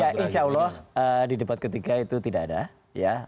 ya insya allah di debat ketiga itu tidak ada ya